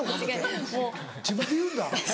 自分で言うんだ。